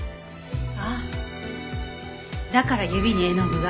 ああだから指に絵の具が。